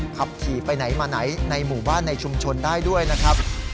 ขับขี่ไปไหนมาไหนในหมู่บ้านในชุมชนได้ด้วยนะครับ